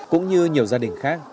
cũng như nhiều gia đình khác